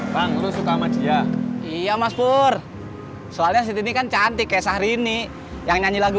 bang lu suka sama dia iya mas pur soalnya sedihkan cantik ya syahrini yang nyanyi lagu